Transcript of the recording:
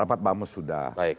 rapat bamus sudah